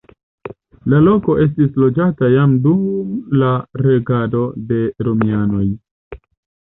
La loko estis loĝata jam dum la regado de romianoj.